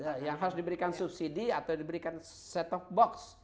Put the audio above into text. ya yang harus diberikan subsidi atau diberikan set top box